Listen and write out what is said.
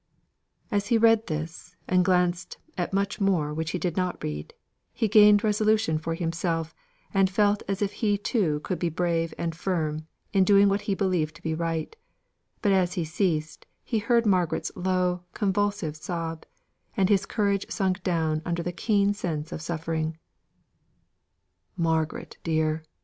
As he read this, and glanced at much more which he did not read, he gained resolution for himself, and felt as if he too could be brave and firm in doing what he believed to be right; but as he ceased he heard Margaret's low convulsive sob; and his courage sank down under the keen sense of suffering. "Margaret, dear!"